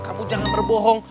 kamu jangan berbohong